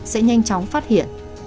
sẽ nhanh chóng phát hiện